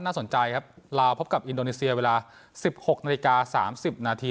น่าสนใจครับลาวพบกับอินโดนีเซียเวลา๑๖นาฬิกา๓๐นาที